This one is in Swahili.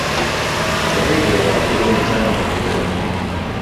Hata hivyo hakudumu sana kwenye kazi hiyo